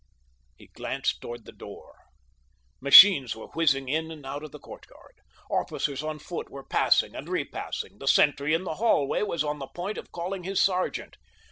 He glanced toward the door. Machines were whizzing in and out of the courtyard. Officers on foot were passing and repassing. The sentry in the hallway was on the point of calling his sergeant.